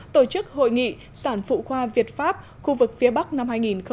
tổ chức hội nghị sản phụ khoa việt pháp khu vực phía bắc năm hai nghìn một mươi chín